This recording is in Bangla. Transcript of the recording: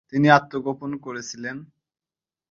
তিনি আত্মগোপন করেছিলেন।